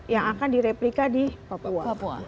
yang akan direplika di papua